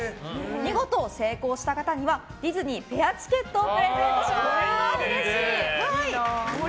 見事、成功した方にはディズニーペアチケットをプレゼントします。